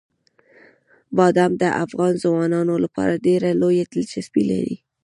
بادام د افغان ځوانانو لپاره ډېره لویه دلچسپي لري.